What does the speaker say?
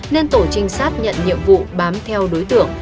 nên tổ trinh sát nhận nhiệm vụ bám theo đối tượng